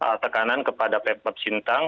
tidak ada tekanan kepada pmkp sindang